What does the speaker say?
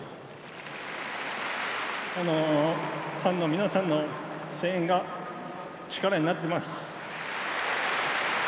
このファンの皆さんの声援が、力になってます。